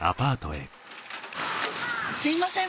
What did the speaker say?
すいません